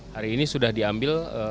hari ini sudah diambil